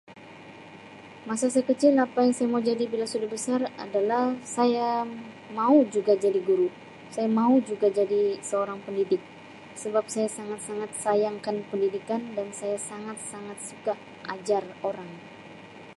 Apa yang saya mau jadi bila saya sudah besar adalah saya mau juga jadi guru saya mau juga jadi seorang pendidik sebab saya sangat-sangat sayangkan pendidikan dan saya sangat-sangat suka ajar orang.